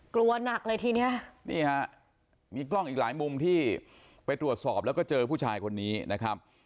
กลัวหนักเลยทีนี้นี่ฮะมีกล้องอีกหลายมุมที่ไปตรวจสอบแล้วก็เจอผู้ชายคนนี้นะครับ